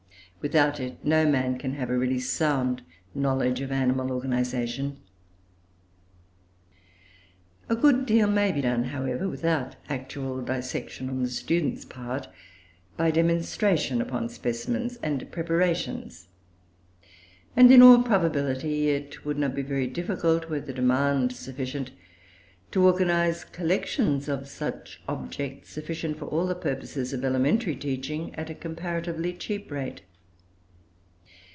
Without it, no man can have a really sound knowledge of animal organisation. A good deal may be done, however, without actual dissection on the student's part, by demonstration upon specimens and preparations; and in all probability it would not be very difficult, were the demand sufficient, to organise collections of such objects, sufficient for all the purposes of elementary teaching, at a comparatively cheap rate.